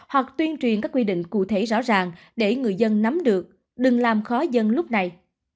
hoặc tuyên truyền các quy định cụ thể rõ ràng để người dân nắm được đừng làm khó dân lúc này